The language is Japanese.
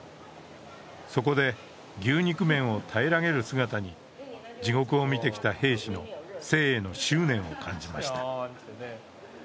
そこで牛肉麺を平らげる姿に地獄を見てきた兵士の生への執念を感じました。